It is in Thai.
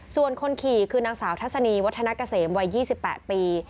ส่วนคนขี่คือนางสาวทัศนีวัฒนาเกษมวัย๒๘ปี